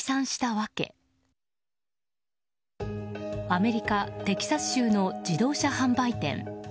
アメリカ・テキサス州の自動車販売店。